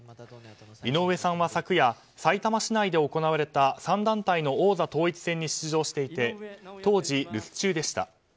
井上さんは昨夜さいたま市内で行われた３団体の王座統一戦に出場していて当時、留守中でした。